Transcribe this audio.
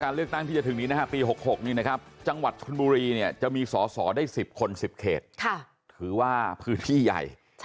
การเลือกตั้งที่จะถึงปี๖๖จังหวัดชนบุรีจะมีสอได้๑๐คน๑๐เขตคือว่าพื้นที่ใหญ่